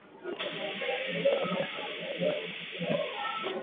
Jacob alijikita kwenye suala la kumuua Hakizemana na akiwataka wamfuatilie Zolin